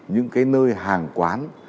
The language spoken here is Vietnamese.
những nơi hàng quán